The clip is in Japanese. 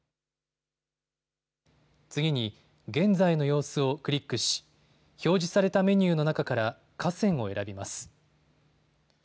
次に、現在の様子をクリックし、表示されたメニューの中から、河川を選びます。